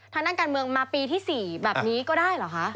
ทางด้านการเมืองมาปีที่๔แบบนี้ก็ได้เหรอคะ